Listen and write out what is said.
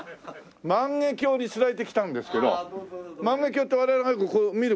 万華鏡に釣られてきたんですけど万華鏡って我々がよくこう見るこれでしょ？